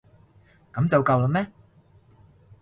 噉就夠喇咩？